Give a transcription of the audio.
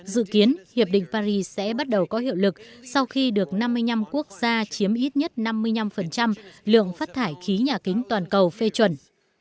dự kiến hiệp định paris sẽ bắt đầu có hiệu lực sau khi được năm mươi năm quốc gia chiếm ít nhất năm mươi năm lượng phát thải khí nhà kính toàn cầu phê chuẩn